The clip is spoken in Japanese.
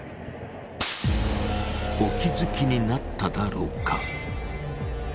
お気付きになっただろうか。